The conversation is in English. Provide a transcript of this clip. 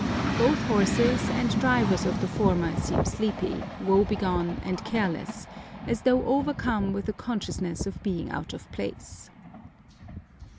Both horses and drivers of the former seem sleepy, woe begone and careless, as though overcome with a consciousness of being out of place.